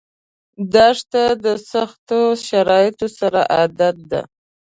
دښته د سختو شرایطو سره عادت ده.